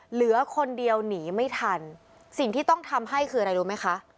เหลือคนเดียวหนีไม่ทันสิ่งที่ต้องทำให้คืออะไรรู้ไหมคะ